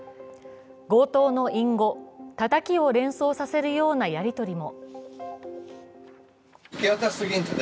強盗の隠語、叩きを連想させるようなやり取りも。